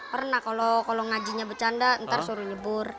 pernah kalau ngajinya bercanda ntar suruh nyebur